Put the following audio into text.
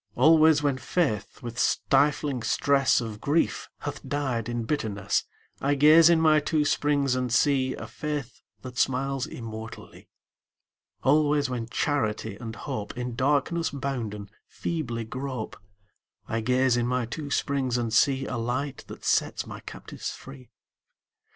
Always when Faith with stifling stress Of grief hath died in bitterness, I gaze in my two springs and see A Faith that smiles immortally. Always when Charity and Hope, In darkness bounden, feebly grope, I gaze in my two springs and see A Light that sets my captives free.